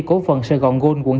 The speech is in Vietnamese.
cổ phần sài gòn gold quận chín